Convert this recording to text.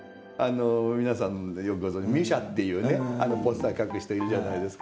皆さんよくご存じミュシャっていうねあのポスター描く人いるじゃないですか。